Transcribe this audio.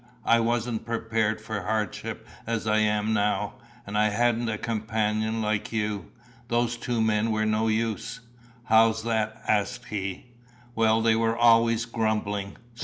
I wasn't prepared for hardship as I am now, and I hadn't a companion like you. Those two men were no use." "How's that?" asked he. "Well, they were always grumbling."